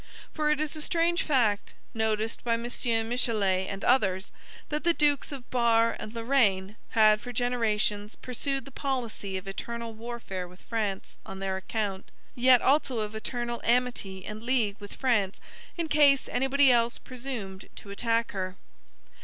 For it is a strange fact, noticed by M. Michelet and others, that the Dukes of Bar and Lorraine had for generations pursued the policy of eternal warfare with France on their own account, yet also of eternal amity and league with France in case anybody else presumed to attack her.